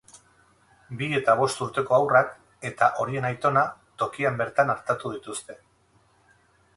Bi eta bost urteko haurrak eta horien aitona tokian bertan artatu dituzte.